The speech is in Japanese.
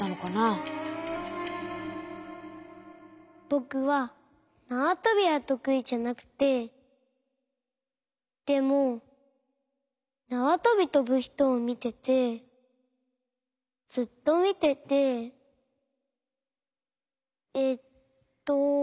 ぼくはなわとびはとくいじゃなくてでもなわとびとぶひとをみててずっとみててえっと。